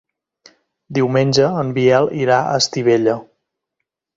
Diumenge en Biel irà a Estivella.